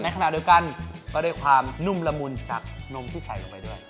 ขณะเดียวกันก็ได้ความนุ่มละมุนจากนมที่ใส่ลงไปด้วย